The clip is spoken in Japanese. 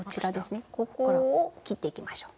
ここを切っていきましょう。